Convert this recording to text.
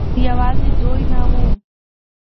يوازې دوي نه وو